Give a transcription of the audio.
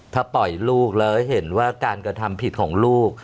ถ้าปล่อยลูกแล้วเห็นว่าการกระทำผิดของลูก